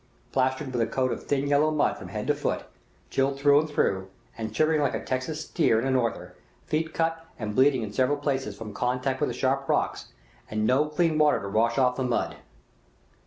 Plastered with a coat of thin yellow mud from head to foot, chilled through and through, and shivering like a Texas steer in a norther, feet cut and bleeding in several places from contact with the sharp rocks, and no clean water to wash off the mud!